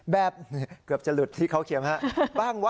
แบบเกือบจะหลุดที่เขาเขียวมาบ้างวะ